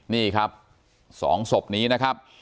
นี่ครับ๒ศพนี้นะครับ